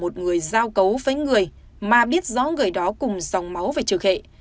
một người giao cấu với người mà biết rõ người đó cùng dòng máu về trực hệ